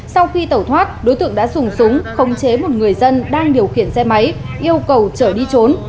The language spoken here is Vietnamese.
sau khi tẩu thoát đối tượng đã dùng súng khống chế một người dân đang điều khiển xe máy yêu cầu chở đi trốn